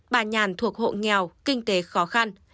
bà nhàn thuộc hộ nghèo kinh tế khó khăn